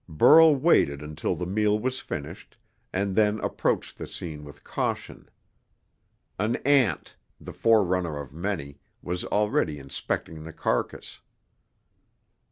Burl waited until the meal was finished, and then approached the scene with caution. An ant the forerunner of many was already inspecting the carcass.